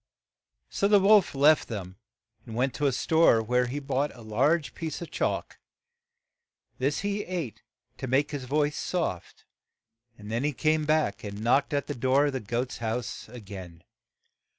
So the wolf left them and went to a store, where he bought 10 THE WOLF AND THE SIX LITTLE KIDS a large piece of chalk. This he ate to make his voice soft, and then he came back and knocked at the door of the goat's house a gain.